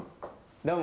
どうも。